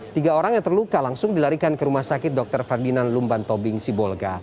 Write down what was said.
tiga orang yang terluka langsung dilarikan ke rumah sakit dr ferdinand lumban tobing sibolga